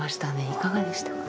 いかがでしたか？